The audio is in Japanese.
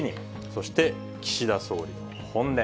そして、岸田総理の本音。